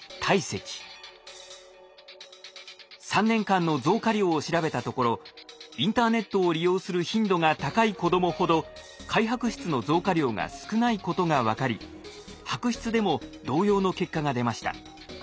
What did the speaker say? ３年間の増加量を調べたところインターネットを利用する頻度が高い子どもほど灰白質の増加量が少ないことが分かり白質でも同様の結果が出ました。